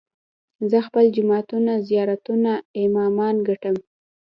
زه خپل جوماتونه، زيارتونه، امامان ګټم